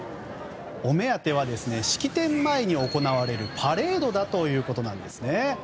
お目当ては式典前に行われるパレードだということなんです。